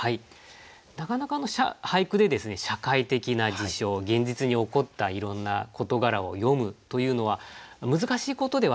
なかなか俳句で社会的な事象現実に起こったいろんな事柄を詠むというのは難しいことではあるんですね。